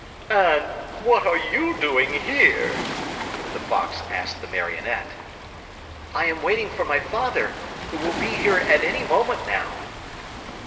"And what are you doing here?" the Fox asked the Marionette. "I am waiting for my father, who will be here at any moment now."